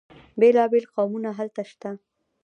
بیلا بیل قومونه هلته شته.